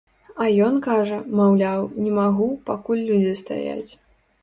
А ён кажа, маўляў, не магу, пакуль людзі стаяць.